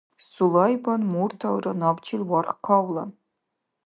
Сулайбан мурталра набчил варх кавлан.